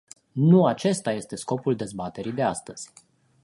Nu acesta este scopul dezbaterii de astăzi.